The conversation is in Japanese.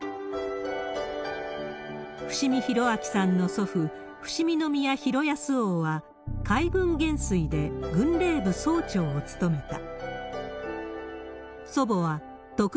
伏見博明さんの祖父、伏見宮は、博恭王は海軍元帥で軍令部総長を務めた。